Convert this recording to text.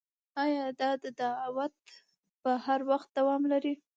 او دا دعوت به هر وخت دوام لري